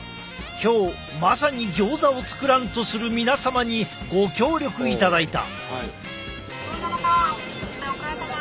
今日まさにギョーザを作らんとする皆様にご協力いただいた。